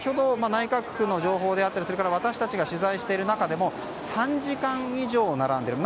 内閣府の情報であったりそれから私たちが取材している中でも３時間以上並んでいる。